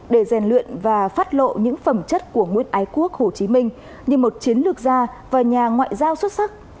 để rèn luyện và phát lộ những phẩm chất của nguyên ái quốc hồ chí minh như một chiến lược gia và nhà ngoại giao xuất sắc